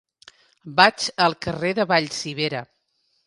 Vaig al carrer de Vallcivera.